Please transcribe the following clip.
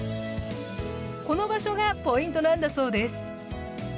この場所がポイントなんだそうです。